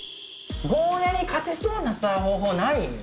ゴーヤに勝てそうな方法ない？